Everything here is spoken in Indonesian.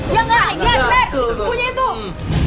ya enggak get back